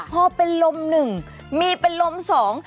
พอเป็นลมหนึ่งมีเป็นลมสอง